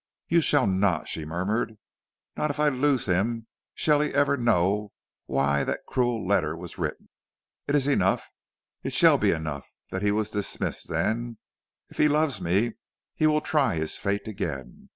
"You shall not," she murmured. "Not if I lose him shall he ever know why that cruel letter was written. It is enough it shall be enough that he was dismissed then. If he loves me he will try his fate again.